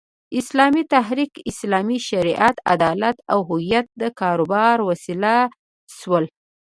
اسلامي تحریک، اسلامي شریعت، عدالت او هویت د کاروبار وسیله شول.